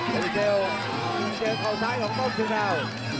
เจ้าดีเซลเจ้าข่าวซ้ายของเจ้าสือเท้า